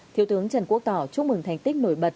thiếu tướng trần quốc tỏ chúc mừng thành tích nổi bật